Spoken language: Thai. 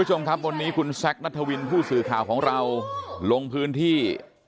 ท่วิชงค๊ะบนนี้คุณแซ็คณ์ธวินผู้สื่อข่าวของเราลงพื้นที่